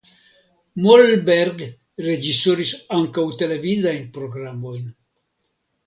Mollberg reĝisoris ankaŭ televidajn programojn.